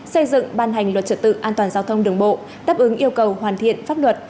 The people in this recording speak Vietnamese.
xây dựng ban hành luật trợ tự an toàn giao thông đường bộ đáp ứng yêu cầu hoàn thiện pháp luật